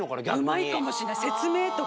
うまいかもしれない説明とか。